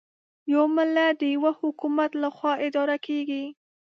یو ملت د یوه حکومت له خوا اداره کېږي.